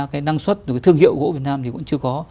cái năng suất từ cái thương hiệu gỗ việt nam thì cũng chưa có